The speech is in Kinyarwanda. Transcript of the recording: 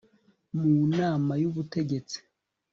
mu Nama y Ubutegetsi